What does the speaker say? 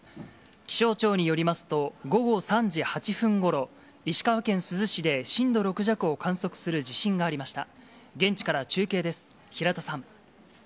気象庁によりますと、午後３時８分ごろ、石川県珠洲市で震度６弱を観測する地震がありました。